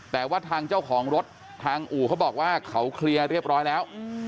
แต่ว่าทางเจ้าของรถทางอู่เขาบอกว่าเขาเคลียร์เรียบร้อยแล้ว